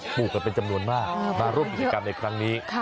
ลูกกันเป็นจำนวนมากมาร่วมกิจกรรมในครั้งนี้